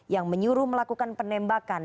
yang menyuruh melakukan penembakan